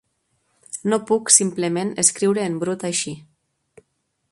No puc simplement escriure en brut així.